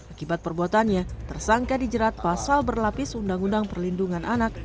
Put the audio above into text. akibat perbuatannya tersangka dijerat pasal berlapis undang undang perlindungan anak